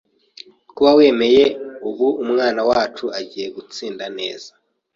kuba wemeye ubu umwana wacu agiye gutsinda neza